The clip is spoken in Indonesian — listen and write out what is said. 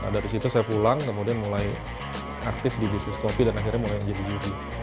dari situ saya pulang kemudian mulai aktif di bisnis kopi dan akhirnya mulai menjadi juri